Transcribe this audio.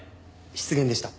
失言でした。